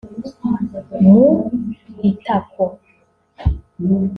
mu itako